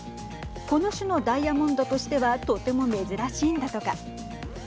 この種のダイヤモンドとしてはとても珍しいんだとか。